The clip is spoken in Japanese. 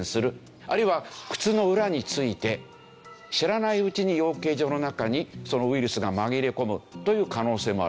あるいは靴の裏に付いて知らないうちに養鶏場の中にそのウイルスが紛れ込むという可能性もある。